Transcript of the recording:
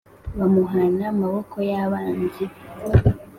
Bamuhana maboko y abanzi be